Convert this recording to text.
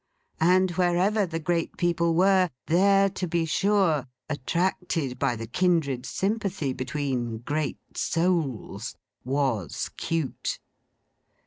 And wherever the great people were, there, to be sure, attracted by the kindred sympathy between great souls, was Cute.